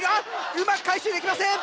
うまく回収できません！